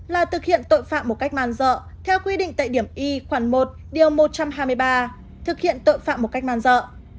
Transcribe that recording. là thực hiện tội phạm một cách màn dợ theo quy định tại điểm y khoảng một điều một trăm hai mươi ba thực hiện tội phạm một cách man dợ